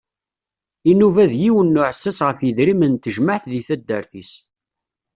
Inuba d yiwen n uɛessas ɣef yedrimen n tejmaɛt deg tadart-is.